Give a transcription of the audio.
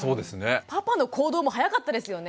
パパの行動も早かったですよね。